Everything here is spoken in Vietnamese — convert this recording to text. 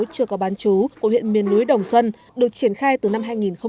chưa có bán chú của huyện miền núi đồng xuân được triển khai từ năm hai nghìn một mươi